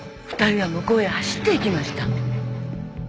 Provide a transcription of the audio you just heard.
２人は向こうへ走っていきました。